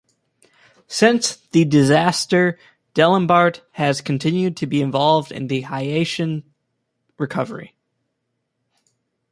Since the disaster, Dalembert has continued to be involved in the Haitian recovery.